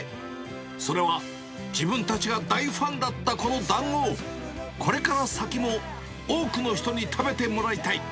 それは、自分たちが大ファンだったこのだんごを、これから先も多くの人に食べてもらいたい。